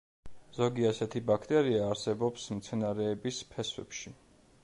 ზოგი ასეთი ბაქტერია არსებობს მცენარეების ფესვებში.